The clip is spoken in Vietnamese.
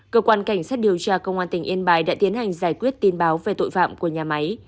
cơ quan cảnh sát điều tra công an tỉnh yên bái đã tiến hành giải quyết tin báo về tội phạm của nhà máy